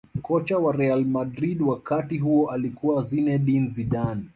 kocha wa real madrid wakati huo alikuwa zinedine zidane